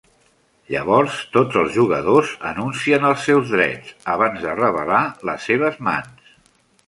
Llavors tots els jugadors anuncien els seus drets, abans de revelar les seves mans.